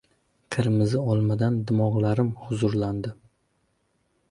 Qirmizi olmadan dimog‘larim huzurlanadi.